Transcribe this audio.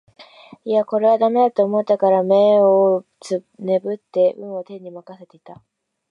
いやこれは駄目だと思ったから眼をねぶって運を天に任せていた